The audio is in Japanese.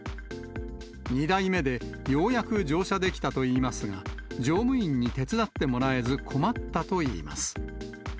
２台目でようやく乗車できたといいますが、乗務員に手伝ってもらえず、困ったといいます。